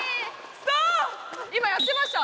今やってました？